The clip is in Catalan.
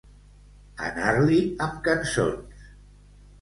Anar-li amb cançons.